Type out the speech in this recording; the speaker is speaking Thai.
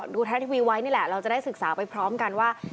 ไทยรัฐทีวีไว้นี่แหละเราจะได้ศึกษาไปพร้อมกันว่า